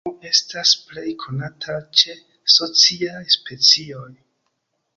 Samseksemo estas plej konata ĉe sociaj specioj.